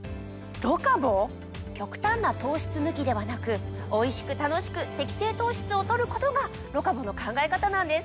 ⁉極端な糖質抜きではなくおいしく楽しく適正糖質を取ることがロカボの考え方なんです。